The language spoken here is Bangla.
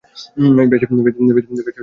বেশ, যা গিয়ে বল।